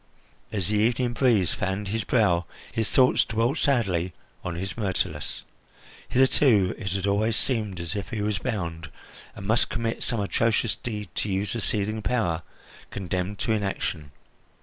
As the evening breeze fanned his brow, his thoughts dwelt sadly on his Myrtilus. Hitherto it had always seemed as if he was bound, and must commit some atrocious deed to use the seething power condemned to inaction.